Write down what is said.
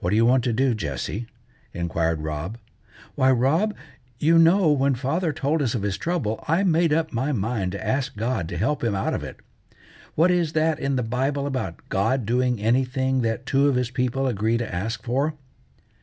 "What do you want to do, Jessie?" inquired Rob. "Why, Rob, you know when father told us of his trouble, I made up my mind to ask God to help him out of it. What is that in the Bible about God doing anything that two of his people agree to ask for?"